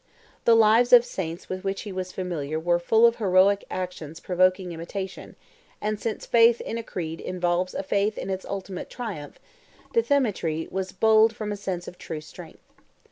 The lives of saints with which he was familiar were full of heroic actions provoking imitation, and since faith in a creed involves a faith in its ultimate triumph, Dthemetri was bold from a sense of true strength.